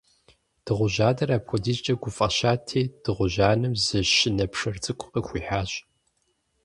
Дыгъужь адэр апхуэдизкӀэ гуфӀэщати, дыгъужь анэм зы щынэ пшэр цӀыкӀу къыхуихьащ.